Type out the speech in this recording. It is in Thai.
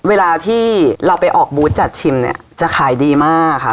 เวลาที่เราไปออกบูธจัดชิมเนี่ยจะขายดีมากค่ะ